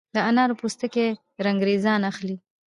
د انارو پوستکي رنګریزان اخلي؟